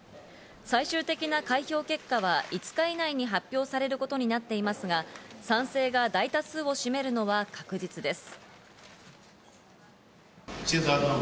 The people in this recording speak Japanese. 最終的な開票結果は５日以内に発表されることになっていますが、賛成が大多数を占めるのは確実です。